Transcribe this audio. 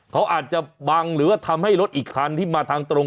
เขาอาจจะบังหรือว่าทำให้รถอีกคันที่มาทางตรง